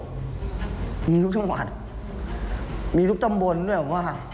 มีเงินกู้นอกระบบมีทุกจังหวัดมีทุกจำบนด้วยผมว่า